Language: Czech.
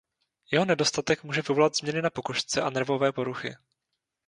Jeho nedostatek může vyvolat změny na pokožce a nervové poruchy.